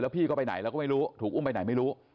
พี่ก็ไปไหนแล้วก็ไม่รู้ถูกอุ้มไปไหนไม่รู้